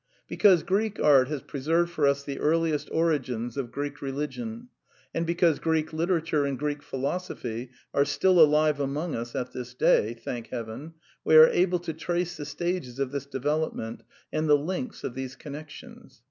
I Because Greek art has preserved for us the earliest origins of Greek religion; and because Greek literature and Greek philosophy are still alive among us at this day (thank Heaven !), we are able to trace the stages of this development and the links of these connections.